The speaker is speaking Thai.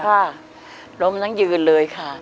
ค่ะล้มทั้งยืนเลยค่ะ